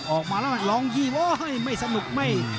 ออกมาแล้วลองยีบโอ้ยไม่สนุกไม่